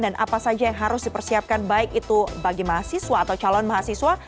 dan apa saja yang harus dipersiapkan baik itu bagi mahasiswa atau calon mahasiswa